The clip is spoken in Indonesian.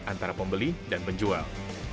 antara pembeli dan penjual